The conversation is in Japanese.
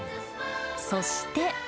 そして。